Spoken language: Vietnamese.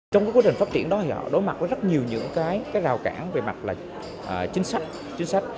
trong quá trình phát triển đó họ đối mặt với rất nhiều rào cản về mặt chính sách